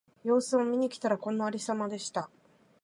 様子を見に来たら、このありさまでした。